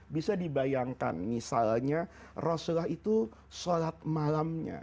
bisa dibayangkan misalnya rasulullah itu sholat malamnya